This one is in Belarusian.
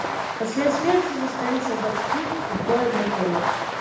Пасля смерці засталіся бацькі і двое братоў.